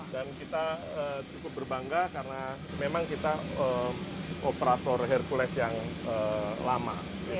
kita cukup berbangga karena memang kita operator hercules yang lama